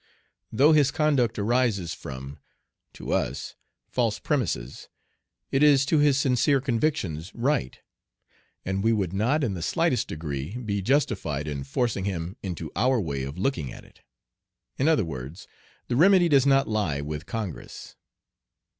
Though his conduct arises from, to us, false premises, it is to his sincere convictions right, and we would not in the slightest degree be justified in forcing him into our way of looking at it. In other words, the remedy does not lie with Congress.